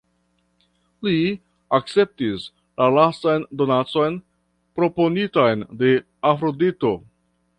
Li akceptis la lastan donacon, proponitan de Afrodito.